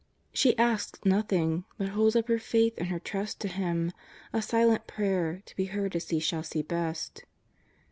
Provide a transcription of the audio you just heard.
She asks nothing, but holds up her faith and her trust to Him, a silent prayer, to be heard as He shall see best.